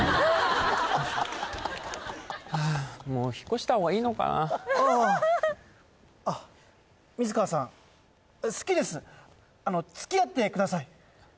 もう引っ越したほうがいいのかなあああっ水川さん好きですつきあってください